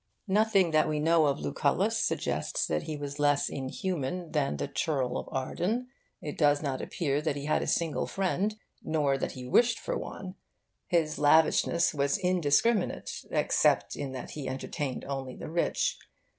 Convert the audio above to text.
Nothing that we know of Lucullus suggests that he was less inhuman than the churl of Arden. It does not appear that he had a single friend, nor that he wished for one. His lavishness was indiscriminate except in that he entertained only the rich.